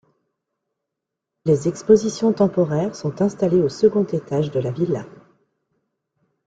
Les expositions temporaires sont installées au second étage de la villa.